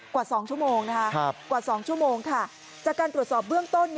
กว่า๒ชั่วโมงนะฮะค่ะจากการตรวจสอบเบื้องต้น